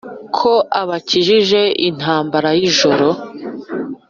ko abakijije intambara y' ijoro !